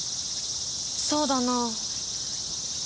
そうだな。